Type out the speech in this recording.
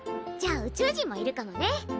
じゃあ宇宙人もいるかもね。